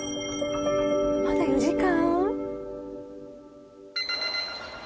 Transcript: まだ４時間？